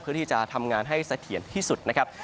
เพื่อที่จะทำงานให้เสถียรที่สุดนะครับ